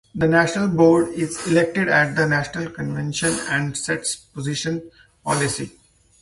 The national board is elected at the national convention and sets position policy.